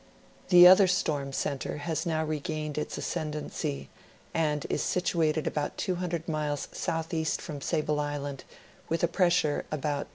The other storm center has now regained its ascendency, and is situated about two hundred miles southeast from Sable Island, with a pressure about 29.